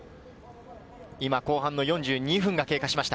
今、後半の４２分が経過しました。